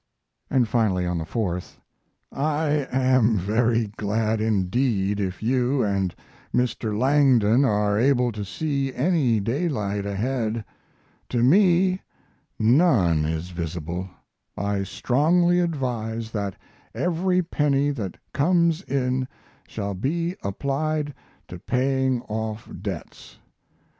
And finally, on the 4th: I am very glad indeed if you and Mr. Langdon are able to see any daylight ahead. To me none is visible. I strongly advise that every penny that comes in shall be applied to paying off debts.